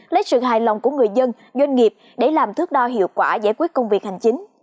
lấy sự hài lòng của người dân doanh nghiệp để làm thước đo hiệu quả giải quyết công việc hành chính